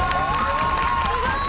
すごーい！